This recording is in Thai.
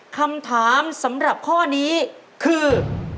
คำถามสำหรับข้อนี้คือ